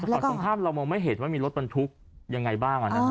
แต่ตรงภาพเรามองไม่เห็นว่ามีรถบรรทุกยังไงบ้าง